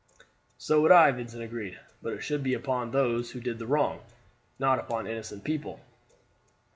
"So would I," Vincent agreed, "but it should be upon those who did the wrong, not upon innocent people."